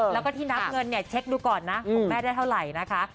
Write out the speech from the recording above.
แล้วก็ที่นับเงินเนี่ยเช็คดูก่อนนะของแม่ได้เท่าไหร่นะคะ